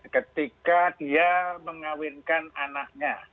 ketika dia mengawinkan anaknya